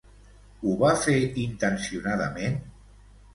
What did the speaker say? Ho va fer intencionadament?